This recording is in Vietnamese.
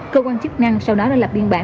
cơ quan chức năng sau đó đã lập biên bản